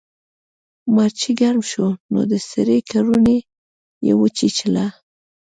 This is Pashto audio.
مار چې ګرم شو نو د سړي کورنۍ یې وچیچله.